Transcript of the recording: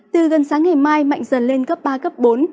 từ gần sáng ngày mai mạnh dần lên cấp ba cấp bốn